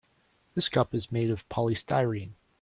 This cup is made of polystyrene.